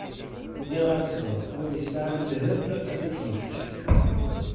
Nniɣ-asen: Win yesɛan ddheb, ad t-id-ifk!